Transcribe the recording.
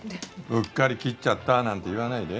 うっかり切っちゃったなんて言わないで。